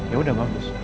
ya udah bagus